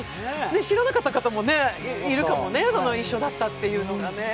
知らなかった方もいるかもね、一緒だったっていうのがね。